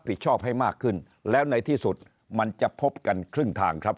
ชอบให้มากขึ้นแล้วในที่สุดมันจะพบกันครึ่งทางครับ